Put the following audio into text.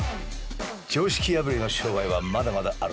常識破りの商売はまだまだあるんです。